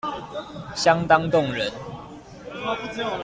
相當動人